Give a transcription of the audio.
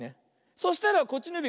そしたらこっちのゆび